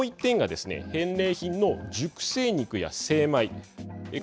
もう一点がですね返礼品の熟成肉や精米